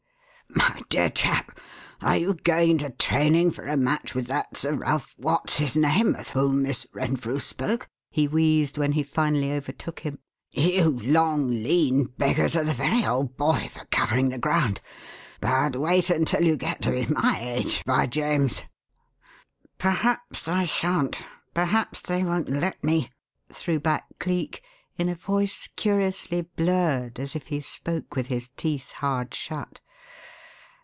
"My dear chap, are you going into training for a match with that Sir Ralph What's his name of whom Miss Renfrew spoke?" he wheezed when he finally overtook him. "You long, lean beggars are the very old boy for covering the ground. But wait until you get to be my age, by James!" "Perhaps I shan't. Perhaps they won't let me!" threw back Cleek, in a voice curiously blurred, as if he spoke with his teeth hard shut.